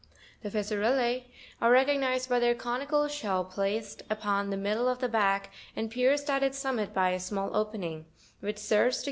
— 0 30. The Fissurelle, :° (fig. 77) are recog nised by their conical shell placed upon the " middle of the back, and p ° pierced at its summit by a small opening, which serves to give Fig.